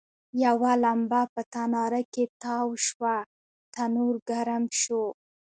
یوه لمبه په تناره کې تاوه شوه، تنور ګرم شو.